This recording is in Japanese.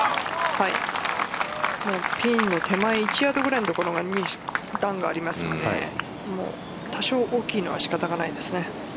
ピンの手前１ヤードくらいの所に段がありますので多少大きいのは仕方がないですね。